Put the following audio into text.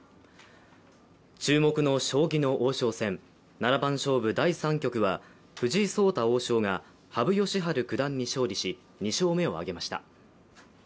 注目の将棋の王将戦七番勝負第３局は藤井聡太王将が羽生善治九段に勝利し２勝目を挙げました。